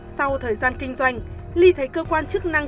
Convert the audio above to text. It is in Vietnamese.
sau thời gian kinh doanh ly thấy cơ quan chức năng